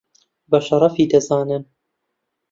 بە شەرەفی دەزانن